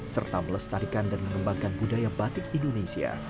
serta melestarikan dan mengembangkan budaya batik indonesia